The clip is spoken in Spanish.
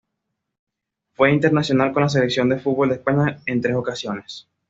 Fue internacional con la Selección de fútbol de España en tres ocasiones.